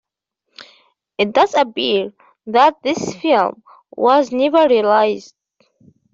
It does appear that this film was never released.